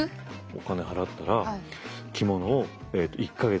お金払ったら着物を１か月